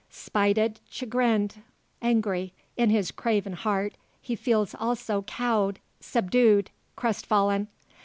Spited, chagrined, angry, in his craven heart he feels also cowed, subdued, crestfallen.